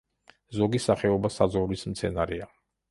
ზოგი სახეობა საძოვრის მცენარეა.